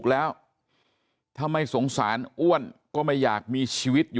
แล้วก็ยัดลงถังสีฟ้าขนาด๒๐๐ลิตร